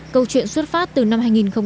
câu chuyện xuất phát từ năm hai nghìn tám